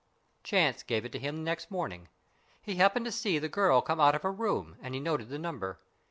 Chance gave it to him next morning. He happened to see the girl come out of her room, and he noted the number.